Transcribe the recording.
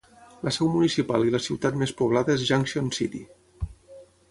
La seu municipal i la ciutat més poblada és Junction City.